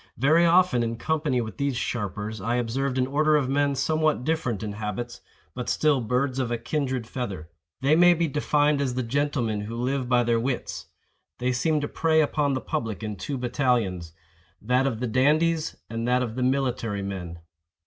Very often, in company with these sharpers, I observed an order of men somewhat different in habits, but still birds of a kindred feather. They may be defined as the gentlemen who live by their wits. They seem to prey upon the public in two battalions—that of the dandies and that of the military men.